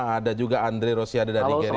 ada juga andre rosiade dari gerindra